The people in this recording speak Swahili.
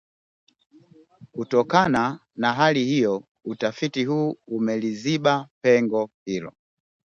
Kutokana na hali hiyo, utafiti huu umeliziba pengo hilo